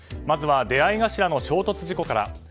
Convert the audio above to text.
まずは出合い頭の衝突事故から。